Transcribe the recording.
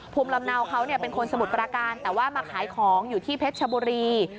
ภูมิลำเนาเขาเป็นคนสมุทรปราการแต่ว่ามาขายของอยู่ที่เพชรชบุรี